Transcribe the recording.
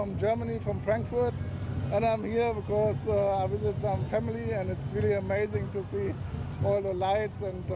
merasa seperti seorang perempuan yang mencari kesempatan untuk mencari kesempatan untuk mencari kesempatan